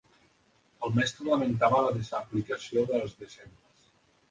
El mestre lamentava la desaplicació dels deixebles.